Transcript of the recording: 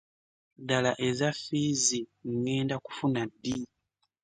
Ddala eza ffiizi ŋŋenda kufuna ddi?